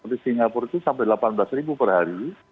di singapura itu sampai delapan belas ribu per hari